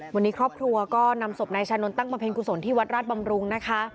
วันนี้ครอบครัวก็นำศพนายชานนท์ตั้งบำเพ็ญกุศลที่วัดราชบำรุงนะคะ